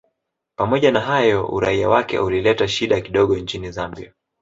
Pamoja na hayo uraia wake ulileta shida kidogo nchini Zambia